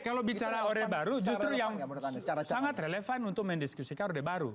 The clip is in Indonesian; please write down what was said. kalau bicara orde baru justru yang sangat relevan untuk mendiskusikan orde baru